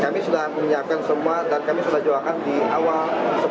kami sudah menyiapkan semua dan kami sudah doakan di awal sepuluh